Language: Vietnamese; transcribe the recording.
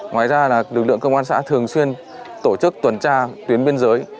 ngoài ra lực lượng công an xã thường xuyên tổ chức tuần tra tuyến biên giới